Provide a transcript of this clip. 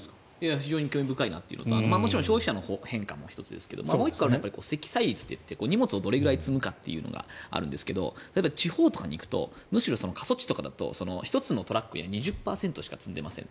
非常に興味深いなというのと消費者の変化も１つですけどもう１個は積載率といって荷物をどれくらい積むかがあるんですが地方とかに行くとむしろ過疎地とかだと２０％しか積んでいません。